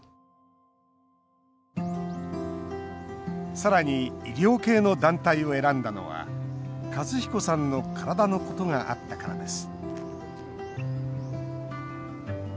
さらに医療系の団体を選んだのはカズヒコさんの体のことがあったからです。